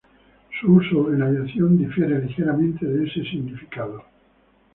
Su uso en aviación difiere ligeramente de ese significado.